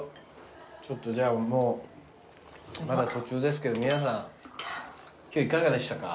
ちょっとじゃあもうまだ途中ですけど皆さん今日いかがでしたか？